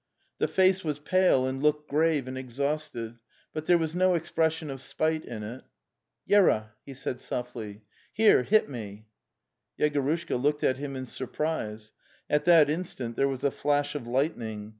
The face was pale and looked grave and ex hausted, but there was no expression of spite in it. , wera li") he said softly, " here, hit mel) 7) Yegorushka looked at him in surprise. At that instant there was a flash of lightning.